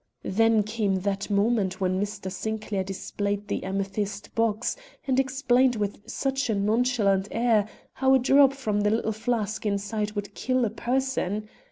Then came that moment when Mr. Sinclair displayed the amethyst box and explained with such a nonchalant air how a drop from the little flask inside would kill a person.